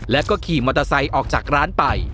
แล้วก็ขี่มอเตอร์ไซค์ออกจากร้านไป